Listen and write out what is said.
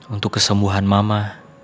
untuk kesembuhan mama